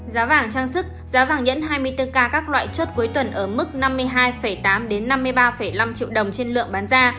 giá vàng trang sức giá vàng nhẫn hai mươi bốn k các loại chốt cuối tuần ở mức năm mươi hai tám năm mươi ba năm triệu đồng trên lượng bán ra